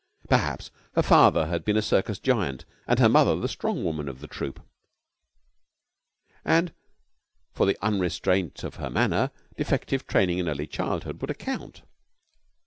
Perhaps her father had been a circus giant and her mother the strong woman of the troupe. And for the unrestraint of her manner defective training in early girlhood would account.